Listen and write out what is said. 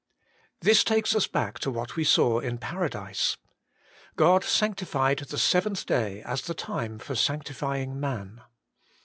This takes us back to what we saw in Paradise. God sanctified the seventh day as the time for sanctifying man.